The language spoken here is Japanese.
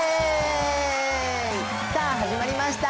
さあ始まりました